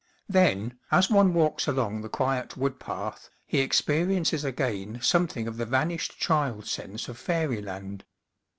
Then, as one walks along the quiet wood path, he expe riences again something of the vanished child sense of fairyland.